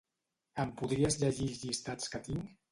Em podries llegir els llistats que tinc?